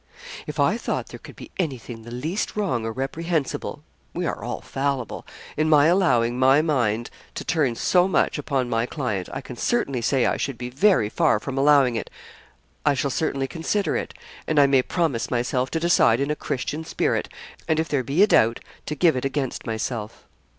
'If I thought there could be anything the least wrong or reprehensible we are all fallible in my allowing my mind to turn so much upon my client, I can certainly say I should be very far from allowing it I shall certainly consider it and I may promise myself to decide in a Christian spirit, and if there be a doubt, to give it against myself.'